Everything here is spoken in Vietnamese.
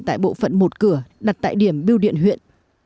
tại bộ phận một cửa đặt tại điểm biêu điện huyện